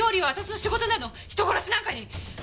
人殺しなんかに！